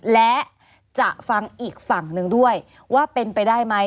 และจะฟังอีกฝั่งหนึ่งด้วยว่าเป็นไปได้ไหม